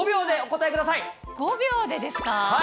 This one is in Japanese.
５秒でですか？